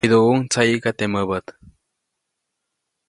Widuʼuʼuŋ tsayiʼka teʼ mäbät.